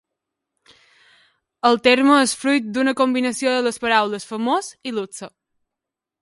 El terme és fruit d'una combinació de les paraules 'famós' i 'luxe'.